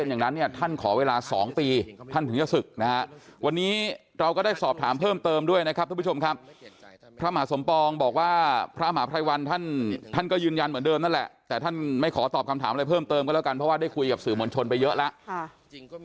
เยินยันเหมือนเดิมนั่นแหละแต่ท่านไม่ขอตอบคำถามอะไรเพิ่มเติมก็แล้วกันเพราะว่าได้คุยกับสื่อมัญชนไปเยอะแล้ว